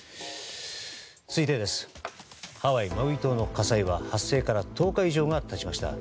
続いてマウイ島の火災は発生から１０日以上が経ちました。